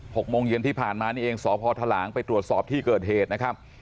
๖โมงเย็นที่ผ่านมานี่เองสพทหลางไปตรวจสอบที่เกิดเหตุนะครับ